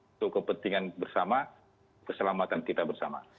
untuk kepentingan bersama keselamatan kita bersama